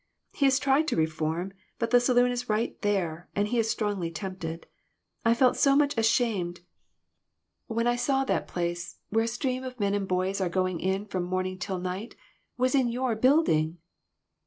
He has tried to reform, but the saloon is right there, and he is strongly tempted. I felt so much ashamed when I saw that the place where a FANATICISM. 329 stream of men and boys are going in from morn ing till night, was in your building!"